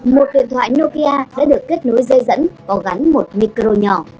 một điện thoại nokia đã được kết nối dây dẫn có gắn một micro nhỏ